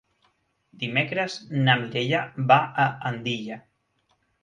Dimecres na Mireia va a Andilla.